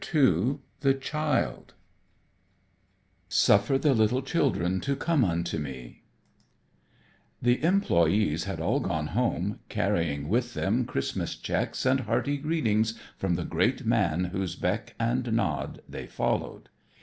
II The Child "SUFFER THE LITTLE CHILDREN TO COME UNTO ME" II The Child The employees had all gone home, carrying with them Christmas checks and hearty greetings from the great man whose beck and nod they followed.